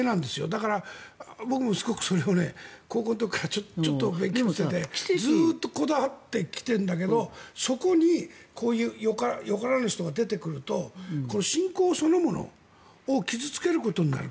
だから、僕もすごくそれを高校の時からちょっと勉強しててずっとこだわってきてるんだけどそこにこういうよからぬ人が出てくると信仰そのものを傷付けることになる。